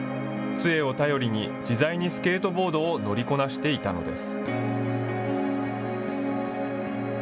つえを頼りに自在にスケートボードを乗りこなしていたのです。